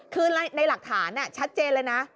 คือในหลักฐานชัดเจนเลยนะ